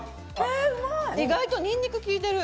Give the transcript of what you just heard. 意外とニンニク効いてる！